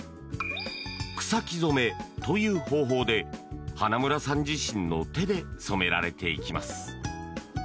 草木染という方法で花村さん自身の手で染められていきます。